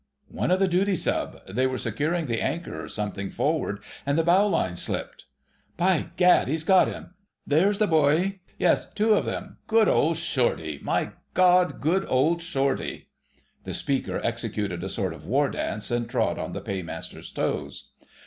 "One of the duty sub.—they were securing the anchor or something forward, and the bowline slipped——" "By gad! He's got him! There's the buoy—yes, two of them. Good old Shortie.... My God! Good old Shortie!" The speaker executed a sort of war dance and trod on the Paymaster's toes.